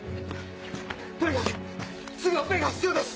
とにかくすぐオペが必要です！